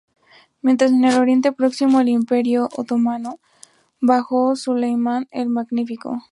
Mientras, en Oriente Próximo, el Imperio otomano bajo Suleimán el Magnífico.